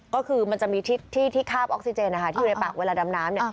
ก็คือมันจะมีที่คาบออกซิเจนนะคะที่อยู่ในปากเวลาดำน้ำ